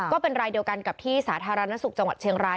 ก็เป็นรายเดียวกันกับที่สาธารณสุขจังหวัดเชียงราย